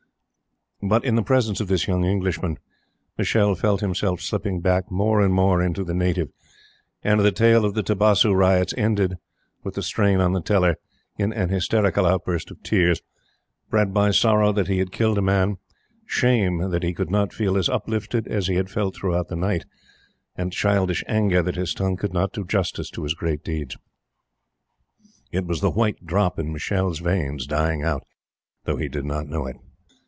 But, in the presence of this young Englishman, Michele felt himself slipping back more and more into the native, and the tale of the Tibasu Riots ended, with the strain on the teller, in an hysterical outburst of tears, bred by sorrow that he had killed a man, shame that he could not feel as uplifted as he had felt through the night, and childish anger that his tongue could not do justice to his great deeds. It was the White drop in Michele's veins dying out, though he did not know it.